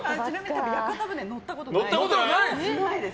屋形船、乗ったことないです。